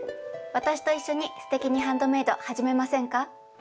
私と一緒に「すてきにハンドメイド」始めませんか？